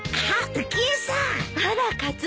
浮江さん